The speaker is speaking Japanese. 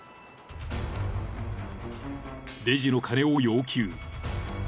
［レジの金を要求］